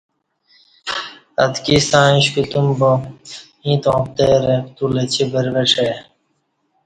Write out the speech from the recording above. اتکی ستݩع ایݩش کُوتم با ایں تاوں پترں پتول اچی بروڄہ ائ۔